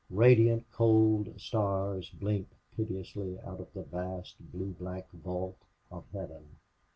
Radiant, cold stars blinked pitilessly out of the vast blue black vault of heaven.